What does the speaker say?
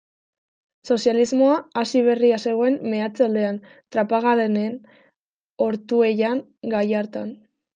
Sozialismoa hasi berria zegoen meatze-aldean, Trapagaranen, Ortuellan, Gallartan.